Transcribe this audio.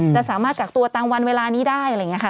จะสามารถกักตัวตามวันเวลานี้ได้อะไรอย่างนี้ค่ะ